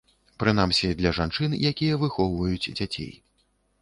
Прынамсі, для жанчын, якія выхоўваюць дзяцей.